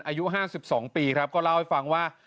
อายุห้าสิบสองปีครับก็เล่าให้ฟังว่า